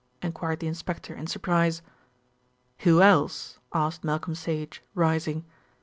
enquired the inspector in surprise. "Who else?" asked Malcolm Sage, rising.